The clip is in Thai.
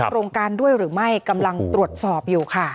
โครงการด้วยหรือไม่กำลังตรวจสอบอยู่ค่ะ